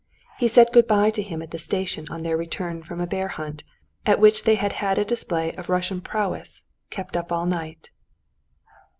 He said good bye to him at the station on their return from a bear hunt, at which they had had a display of Russian prowess kept up all night.